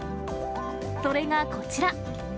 それがこちら。